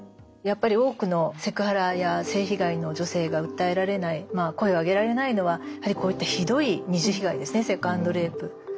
やっぱり多くのセクハラや性被害の女性が訴えられない声を上げられないのはやはりこういったひどい二次被害ですねセカンドレイプ。